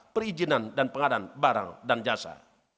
perizinan dan pengadaan barang dan jasa